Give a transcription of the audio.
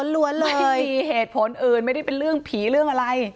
ไม่มีเหตุผลอื่นไม่ได้เป็นเรื่องผีเรื่องอะไร